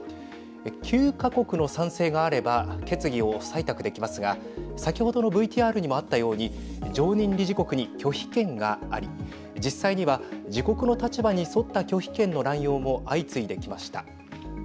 ９か国の賛成があれば決議を採択できますが先ほどのＶＴＲにもあったように常任理事国に拒否権があり実際には自国の立場に沿った拒否権の乱用も相次いできました。